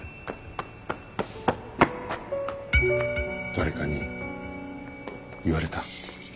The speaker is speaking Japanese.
誰かに言われた？